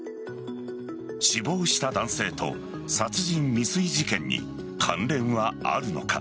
死亡した男性と殺人未遂事件に関連はあるのか。